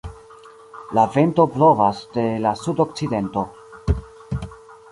La vento blovas de la sudokcidento.